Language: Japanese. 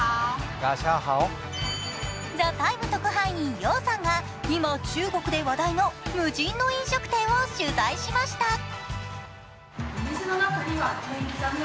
特派員ヨウさんが今、中国で話題の無人の飲食店を取材しました。